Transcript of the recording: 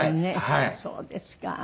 そうですか。